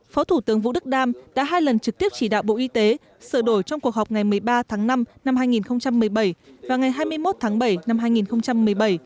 phó thủ tướng vũ đức đam đã hai lần trực tiếp chỉ đạo bộ y tế sửa đổi trong cuộc họp ngày một mươi ba tháng năm năm hai nghìn một mươi bảy và ngày hai mươi một tháng bảy năm hai nghìn một mươi bảy